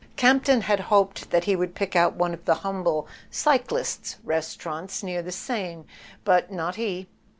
Campton had hoped that he would pick out one of the humble cyclists' restaurants near the Seine; but not he.